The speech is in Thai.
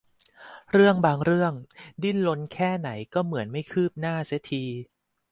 เรื่องบางเรื่องดิ้นรนแค่ไหนก็เหมือนไม่คืบหน้าเสียที